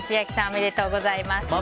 おめでとうございます。